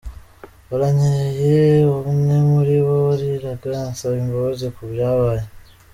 Baranyegereye, umwe muri bo wariraga ansaba imbabazi ku byabaye.